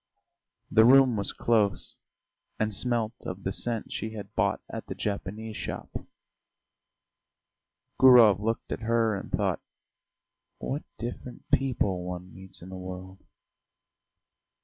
The room was close and smelt of the scent she had bought at the Japanese shop. Gurov looked at her and thought: "What different people one meets in the world!"